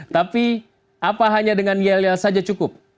tapi apa hanya dengan yel yel saja cukup